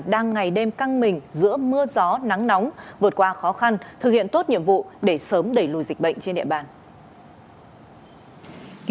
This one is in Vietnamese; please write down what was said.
đang ngày đêm căng mình giữa mưa gió nắng nóng vượt qua khó khăn thực hiện tốt nhiệm vụ để sớm đẩy lùi dịch bệnh trên địa bàn